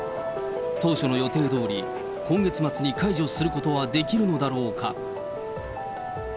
当初の予定どおり、今月末に解除することはできるのだろうか。